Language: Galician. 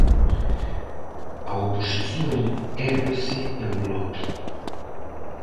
A oposición érguese en bloque.